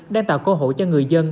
đang tạo cơ hội cho người dân